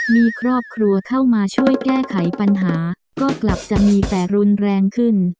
มีครอบครัวเข้ามาช่วยแก้ไขปัญหาก็กลับจะมีแต่รุนแรงขึ้น